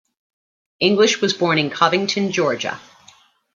English was born in Covington, Georgia.